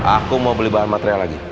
aku mau beli bahan material lagi